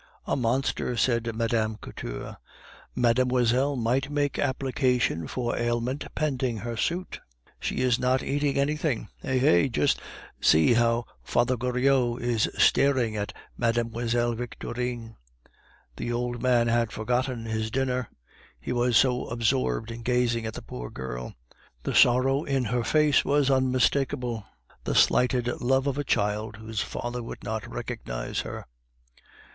"A monster!" said Mme. Couture. "Mademoiselle might make application for aliment pending her suit; she is not eating anything. Eh! eh! just see how Father Goriot is staring at Mlle. Victorine." The old man had forgotten his dinner, he was so absorbed in gazing at the poor girl; the sorrow in her face was unmistakable, the slighted love of a child whose father would not recognize her.